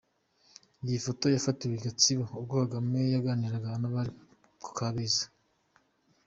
Iyi foto yafatiwe i Gatsibo ubwo Kagame yaganirizaga abari ku Kabeza.